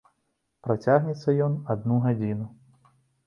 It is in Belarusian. Працягнецца ён адну гадзіну.